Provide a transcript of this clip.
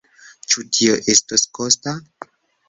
Ĉu tio estos kosta?